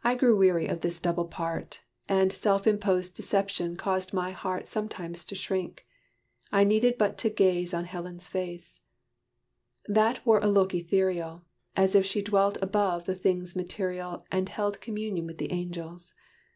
If I grew weary of this double part, And self imposed deception caused my heart Sometimes to shrink, I needed but to gaze On Helen's face: that wore a look ethereal, As if she dwelt above the things material And held communion with the angels.